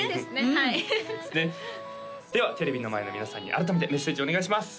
はいではテレビの前の皆さんに改めてメッセージお願いします